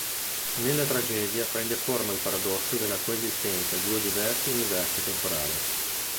Nella tragedia prende forma il paradosso della coesistenza di due diversi universi temporali.